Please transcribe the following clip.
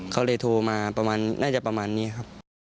เขาเลยโทรมาประมาณน่าจะประมาณนี้ครับ